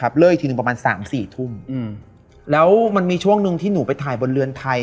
เลิกอีกทีหนึ่งประมาณสามสี่ทุ่มอืมแล้วมันมีช่วงหนึ่งที่หนูไปถ่ายบนเรือนไทย